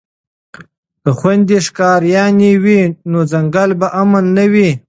که خویندې ښکاریانې وي نو ځنګل به امن نه وي.